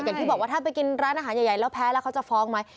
อย่างที่บอกว่าถ้าไปกินร้านอาหารใหญ่แล้วแพ้แล้วเขาจะฟ้องไหม